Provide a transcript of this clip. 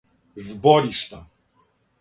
зборишта